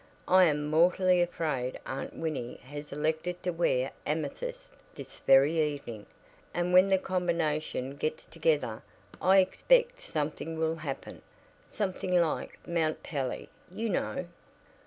I am mortally afraid Aunt Winnie has elected to wear amethyst this very evening, and when the combination gets together I expect something will happen something like Mt. Pelee, you know."